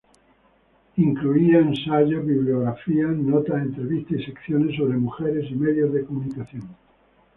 Incluía ensayos, bibliografías, notas, entrevistas, y secciones sobre mujeres y medios de comunicación.